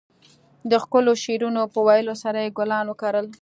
د ښکلو شعرونو په ويلو سره يې ګلان وکرل.